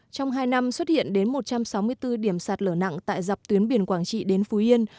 trong hai năm xuất hiện đến một trăm sáu mươi bốn điểm sạt lở nặng tại dọc tuyến biển quảng trị đến phú yên